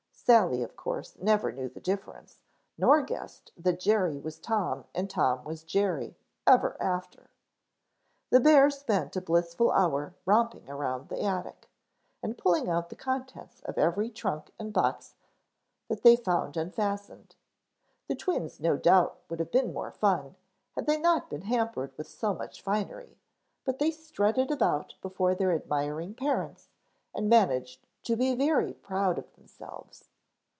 Sally, of course, never knew the difference, nor guessed that Jerry was Tom and Tom was Jerry ever after. The bears spent a blissful hour romping around the attic, and pulling out the contents of every trunk and box that they found unfastened. The twins no doubt would have had more fun had they not been hampered with so much finery, but they strutted about before their admiring parents and managed to be very proud of themselves.